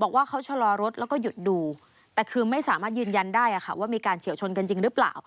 บอกว่าเขาชะลอรถแล้วก็หยุดดูแต่คือไม่สามารถยืนยันได้ว่ามีการเฉียวชนกันจริงหรือเปล่า